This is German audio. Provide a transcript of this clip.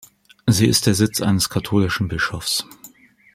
Sie ist der Sitz eines katholischen Bischofs.